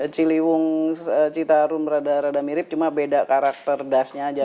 ciliwung citarum rada rada mirip cuma beda karakter dasnya aja